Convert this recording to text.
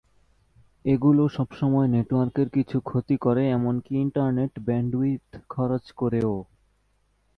এগুলো সবসময় নেটওয়ার্কের কিছু ক্ষতি করে এমনকি ইন্টারনেট ব্যান্ডউইথ খরচ করেও।